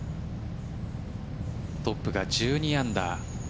トップが１２アンダー。